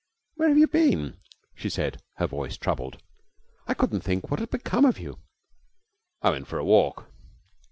'Where have you been?' she said, her voice troubled. 'I couldn't think what had become of you.' 'I went for a walk.'